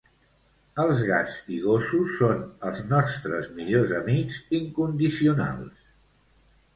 Els gats i gossos són els nostres millors amics incondicionals.